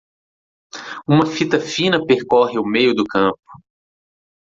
Uma fita fina percorre o meio do campo.